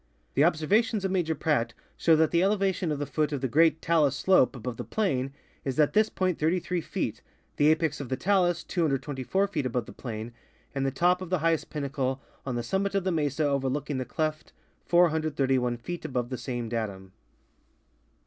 The observations of Major Pradt show that the elevation of the foot of the great talus slope above the plain is at this point 33 feet, the apex of the talus 224 feet above the plain, and the top of the highest pinnacle on the summit of the mesa overlooking the cleft 431 feet* above the same datum.